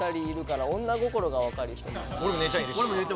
俺も姉ちゃんいるし。